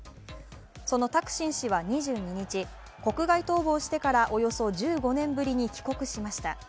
そのタクシン氏は２２日、国外逃亡してからおよそ１５年ぶりに帰国しました。